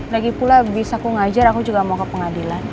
lagipula abis aku ngajar aku juga mau ke pengadilan